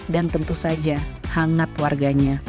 dan tentu saja hangat warganya